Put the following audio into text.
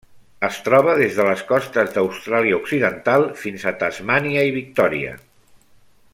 Es troba des de les costes d'Austràlia Occidental fins a Tasmània i Victòria.